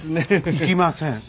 行きません。